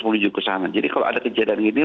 menuju kesana jadi kalau ada kejadian ini